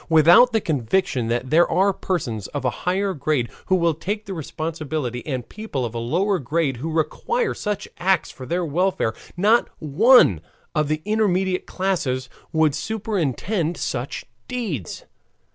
Without the conviction that there are persons of a higher grade who will take the responsibility, and people of a lower grade who require such acts for their welfare, not one of the intermediate class would superintend such deeds.